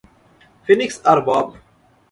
Phoenix আর Bob.